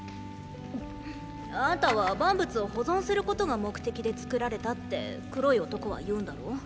あんたは万物を保存することが目的でつくられたって黒い男は言うんだろ？